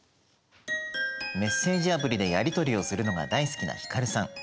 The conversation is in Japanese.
メッセージアプリでやり取りをするのが大好きな光さん。